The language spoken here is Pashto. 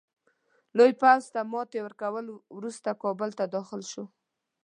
لوی پوځ ته ماتي ورکولو وروسته کابل ته داخل شو.